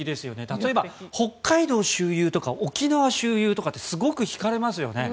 例えば北海道周遊とか沖縄周遊とかってすごく引かれますよね。